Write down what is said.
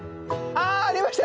ありました。